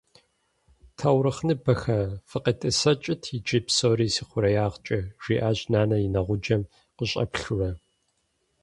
«Таурыхъныбэхэ, фӏыкъетӏысӏэкӏыт иджы псори си хъуреягъкӏэ»,- жиӏащ нэнэ и нэгъуджэм къыщӏэплъурэ.